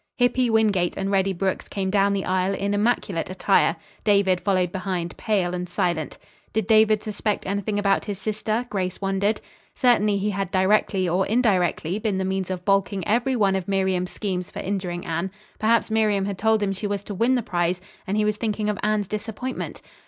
Hippy Wingate and Reddy Brooks came down the aisle in immaculate attire. David followed behind, pale and silent. Did David suspect anything about his sister? Grace wondered. Certainly he had directly or indirectly been the means of balking every one of Miriam's schemes for injuring Anne. Perhaps Miriam had told him she was to win the prize, and he was thinking of Anne's disappointment.